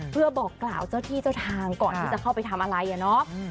เพื่อบอกกล่าวเจ้าที่เจ้าทางก่อนที่จะเข้าไปทำอะไรอะเนาะ